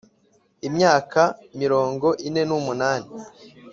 Imyaka mirongo ine n umunani